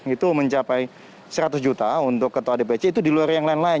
itu mencapai seratus juta untuk ketua dpc itu di luar yang lain lain